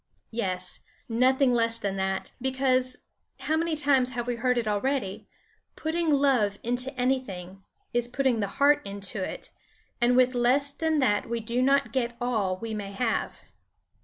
Yes, nothing less than that, because how many times we have heard it already putting love into anything, is putting the heart into it, and with less than that we do not get all we may have.